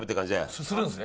すするんですね。